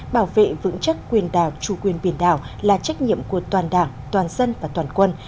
bảo vệ vững chắc quyền đào trù quyền biển đảo là trách nhiệm của toàn đảng toàn dân và toàn quân